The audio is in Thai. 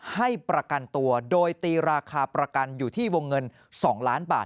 ให้ประกันตัวโดยตีราคาประกันอยู่ที่วงเงิน๒ล้านบาท